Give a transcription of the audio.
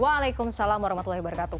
waalaikumsalam warahmatullahi wabarakatuh